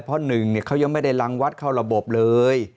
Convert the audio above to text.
เพราะหนึ่งเขายังไม่ได้รังวัดเข้าระบบเลย